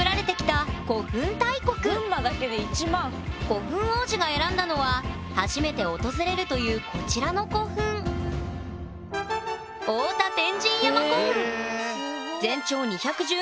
古墳王子が選んだのは初めて訪れるというこちらの古墳全長２１０ｍ。